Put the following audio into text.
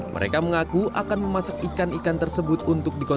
mereka mengaku akan memasak ikan ikan tersebut untuk dikonsum